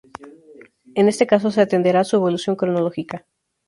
En este caso se atenderá a su evolución cronológica.